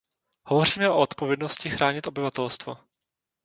Hovoříme o odpovědnosti chránit obyvatelstvo.